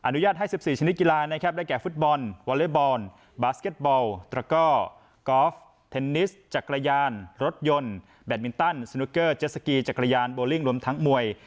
อุญาตให้๑๔ชนิดกีฬานะครับได้แก่ฟุตบอลวอเล็กบอลบาสเก็ตบอลตระก้อกอล์ฟเทนนิสจักรยานรถยนต์แบตมินตันสนุกเกอร์เจสสกีจักรยานโบลิ่งรวมทั้งมวย